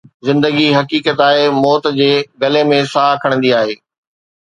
زندگي، حقيقت آهي، موت جي گلي ۾ ساهه کڻندي آهي.